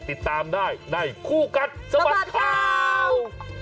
ติดตามได้ในคู่กัดสะบัดข่าว